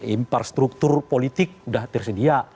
infrastruktur politik udah tersedia